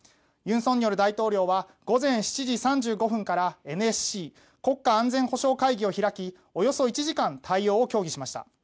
尹錫悦大統領は午前７時３５分からＮＳＣ・国家安全保障会議を開きおよそ１時間対応を協議しました。